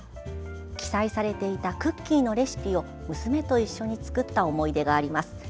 記載されていたクッキーのレシピを娘と一緒に作った思い出があります。